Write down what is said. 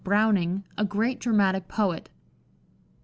Browning, " a great dramatic poet."